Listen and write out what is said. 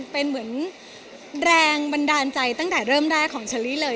เป็นเหมือนแรงบันดาลใจตั้งแต่เริ่มแรกของเชอรี่เลย